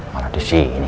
malah di sini